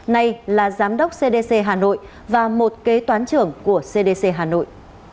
nay là giám đốc cdc hà nội và một kế toán trưởng của cdc hà nội